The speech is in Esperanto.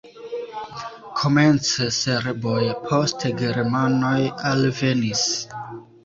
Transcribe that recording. Komence serboj, poste germanoj alvenis.